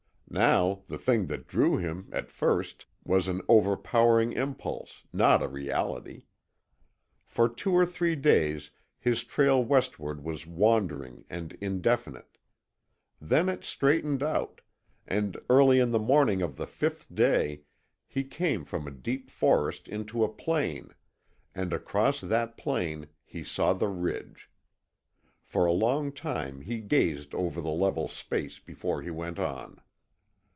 Now the thing that drew him, at first, was an overpowering impulse, not a reality. For two or three days his trail westward was wandering and indefinite. Then it straightened out, and early in the morning of the fifth day he came from a deep forest into a plain, and across that plain he saw the ridge. For a long time he gazed over the level space before he went on.